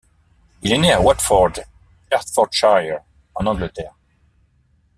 Il est né à Watford, Hertfordshire, en Angleterre.